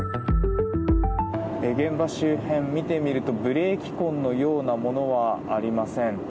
現場周辺、見てみるとブレーキ痕のようなものはありません。